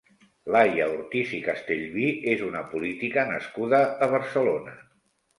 Laia Ortiz i Castellví és una política nascuda a Barcelona.